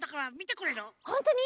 ほんとに？